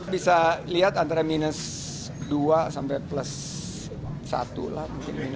bisa lihat antara minus dua sampai plus satu lah